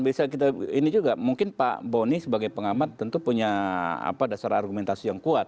bisa kita ini juga mungkin pak boni sebagai pengamat tentu punya dasar argumentasi yang kuat